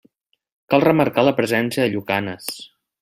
Cal remarcar la presència de llucanes.